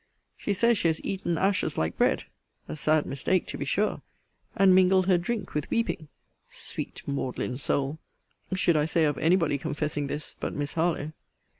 She says, she has eaten ashes like bread A sad mistake to be sure! And mingled her drink with weeping Sweet maudlin soul! should I say of any body confessing this, but Miss Harlowe.